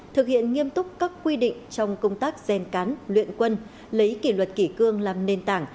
thực hiện nghiêm túc các quy định trong công tác rèn cán luyện quân lấy kỷ luật kỷ cương làm nền tảng